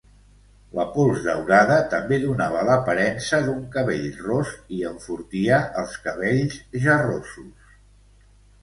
La pols daurada també donava l'aparença d'un cabell ros i enfortia els cabells ja rossos.